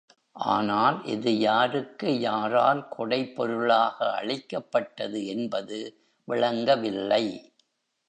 ஆனால் இது யாருக்கு யாரால் கொடைப் பொருளாக அளிக்கப்பட்டது என்பது விளங்கவில்லை.